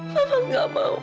mama gak mau